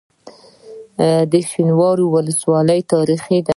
شینوارو ولسوالۍ تاریخي ده؟